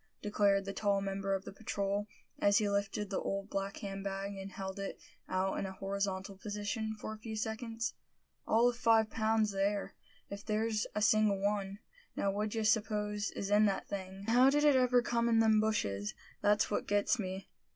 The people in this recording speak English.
declared the tall member of the patrol, as he lifted the old black hand bag, and held it out in a horizontal position for a few seconds. "All of five pounds there, if there's a single one. Now, what d'ye suppose is in that thing?" "And how did it ever come in them bushes; that's what gets me?"